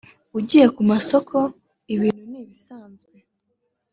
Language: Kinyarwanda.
ugiye ku masoko ibintu ni ibisanzwe